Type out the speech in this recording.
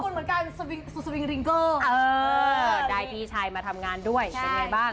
ทำสมมุติสวิงเรงกอลเออได้พี่ชายมาทำงานด้วยเถ๋วไงบ้าง